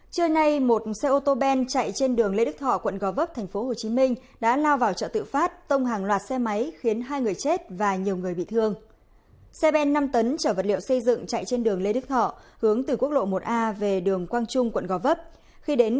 các bạn hãy đăng ký kênh để ủng hộ kênh của chúng mình nhé